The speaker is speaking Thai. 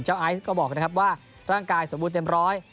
ไอซ์ก็บอกนะครับว่าร่างกายสมบูรณ์เต็มร้อย